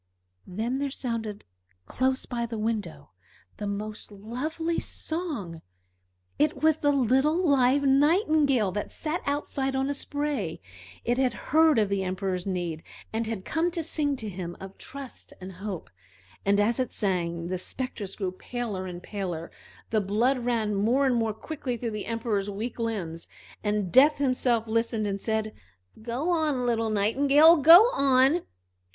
Then there sounded close by the window the most lovely song. It was the little live Nightingale, that sat outside on a spray. It had heard of the Emperor's need, and had come to sing to him of trust and hope. And as it sang the spectres grew paler and paler; the blood ran more and more quickly through the Emperor's weak limbs, and Death himself listened, and said: "Go on, little Nightingale, go on!"